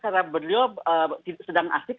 karena beliau sedang asik